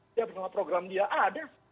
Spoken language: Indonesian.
siapapun program dia ada